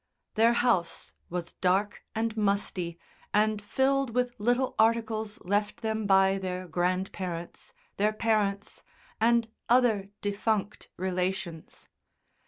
Their house was dark and musty, and filled with little articles left them by their grand parents, their parents, and other defunct relations.